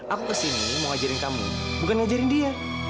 aku kesini mau ngajarin kamu bukan ngajarin dia